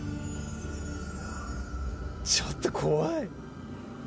ちょっと怖い。